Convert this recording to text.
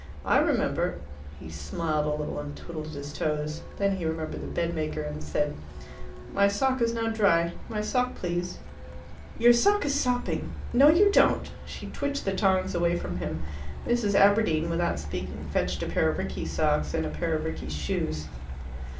I remember " He smiled a little, and twiddled his toes. Then he remembered the bedmaker, and said, "My sock is now dry. My sock, please." "Your sock is sopping. No, you don't!" She twitched the tongs away from him. Mrs. Aberdeen, without speaking, fetched a pair of Rickie's socks and a pair of Rickie's shoes.